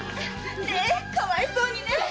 ⁉かわいそうにね！